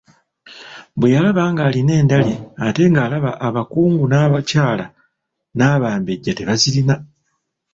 Bwe yalaba ng'alina endali ate ng'alaba abakungu n'abakyala n'Abambejja tebazirina.